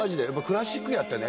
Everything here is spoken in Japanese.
クラシックやってね